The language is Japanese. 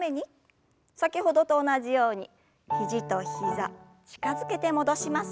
先ほどと同じように肘と膝近づけて戻します。